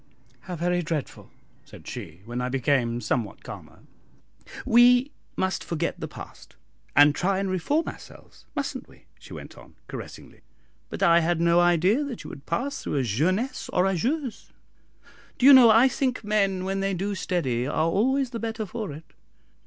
"How very dreadful!" said she, when I became somewhat calmer. "We must forget the past, and try and reform ourselves, mustn't we?" she went on, caressingly; "but I had no idea that you had passed through a jeunesse orageuse. Do you know, I think men, when they do steady, are always the better for it."